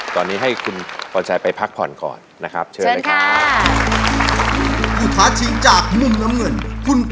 ตอนนี้ให้คุณพรชัยไปพักผ่อนก่อนนะครับเชิญเลยครับ